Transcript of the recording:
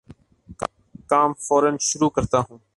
کام فورا شروع کرتا ہوں